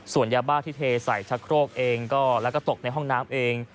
ส่วนยาบ้าที่เทใส่ชะโครกเองก็แล้วก็ตกในห้องน้ำเอง